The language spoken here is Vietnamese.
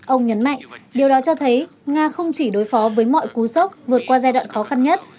ông nhấn mạnh điều đó cho thấy nga không chỉ đối phó với mọi cú sốc vượt qua giai đoạn khó khăn nhất